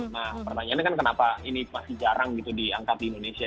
nah pertanyaannya kan kenapa ini masih jarang gitu diangkat di indonesia